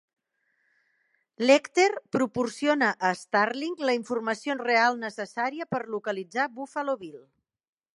Lecter proporciona a Starling la informació real necessària per localitzar Buffalo Bill.